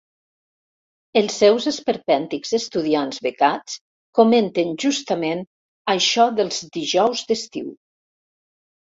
Els seus esperpèntics estudiants becats comenten justament això dels dijous d'estiu.